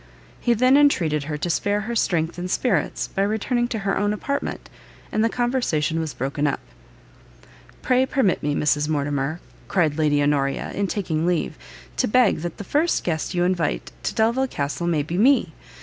He then entreated her to spare her strength and spirits by returning to her own apartment, and the conversation was broken up. "Pray permit me, Mrs Mortimer," cried Lady Honoria, in taking leave, "to beg that the first guest you invite to Delvile Castle may be me.